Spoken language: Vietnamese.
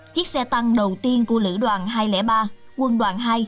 chiếc xe tăng đầu tiên của lữ đoàn hai trăm linh ba quân đoàn hai